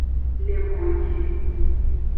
Le boji.